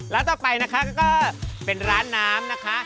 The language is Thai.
ต่อไปนะคะก็เป็นร้านน้ำนะคะ